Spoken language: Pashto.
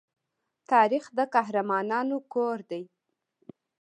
تاریخ د قهرمانانو کور دی.